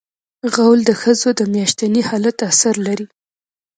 غول د ښځو د میاشتني حالت اثر لري.